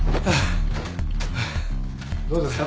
どうですか？